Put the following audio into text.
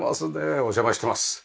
お邪魔してます。